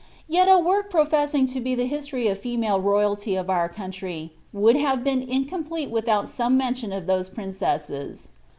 Yet a work professing to be ihe history of tlie female royalty of our country, would have been incomplete without some mention of those princesses.